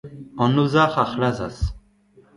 An ozhac’h a c’hlazas.